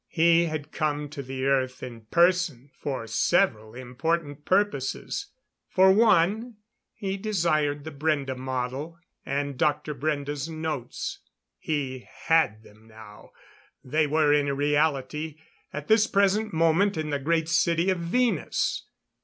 He had come to the Earth in person for several important purposes. For one he desired the Brende model and Dr. Brende's notes. He had them now; they were, in reality, at this present moment in the Great City of Venus.